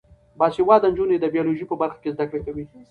باسواده نجونې د بیولوژي په برخه کې زده کړې کوي.